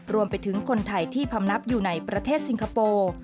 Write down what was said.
รวมไปถึงคนไทยที่พำนับอยู่ในประเทศสิงคโปร์